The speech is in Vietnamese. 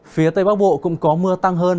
phía tây bắc bộ cũng có mưa tăng hơn